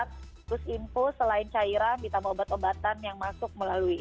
terus info selain cairan ditambah obat obatan yang masuk melalui